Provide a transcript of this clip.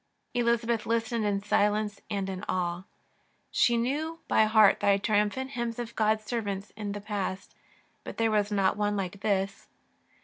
Elizabeth listened in silence and in awe. She knew by heart the triumphant hymns of God's servants in the past, but there was not one like this.